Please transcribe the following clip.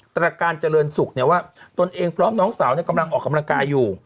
ตรการเจริญศุกร์เนี่ยว่าตนเองพร้อมน้องสาวกำลังออกกำลังกายอยู่